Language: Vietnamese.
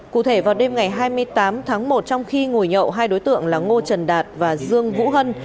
cụ thể vào đêm ngày hai mươi tám tháng một trong khi ngồi nhậu hai đối tượng là ngô trần đạt và dương vũ hân